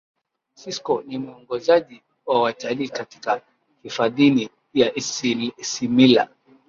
sisco ni muongozaji wa watalii katika hifadhini ya isimila